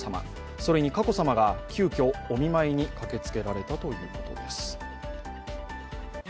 それに佳子さまが急きょお見舞いに駆けつけられたということです。